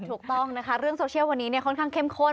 ถูกต้องนะคะเรื่องโซเชียลวันนี้ค่อนข้างเข้มข้น